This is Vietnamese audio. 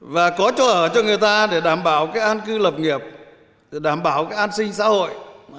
và có chỗ ở cho người ta để đảm bảo an cư lập nghiệp đảm bảo an sinh xã hội